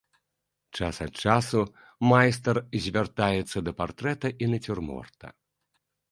Час ад часу майстар звяртаецца да партрэта і нацюрморта.